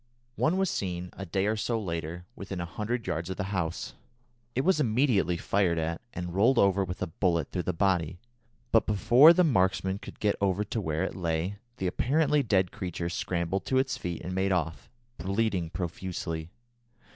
One was seen, a day or so later, within a hundred yards of the house. It was immediately fired at, and rolled over with a bullet through the body; but before the marksman could get over to where it lay, the apparently dead creature scrambled to its feet and made off, bleeding profusely.